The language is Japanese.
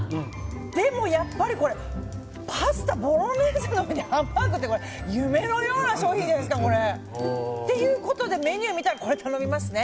でもやっぱり、ボロネーゼの上にハンバーグって夢のような商品じゃないですか。ということで、メニューを見たらこれを頼みますね。